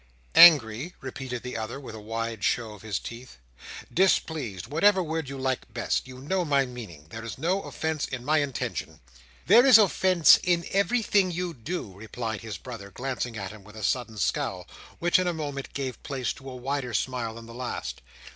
"Angry?" repeated the other, with a wide show of his teeth. "Displeased. Whatever word you like best. You know my meaning. There is no offence in my intention." "There is offence in everything you do," replied his brother, glancing at him with a sudden scowl, which in a moment gave place to a wider smile than the last.